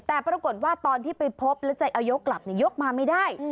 แต่ปรากฏว่าตอนที่ไปพบแล้วจะเอายกกลับยกมาไม่ได้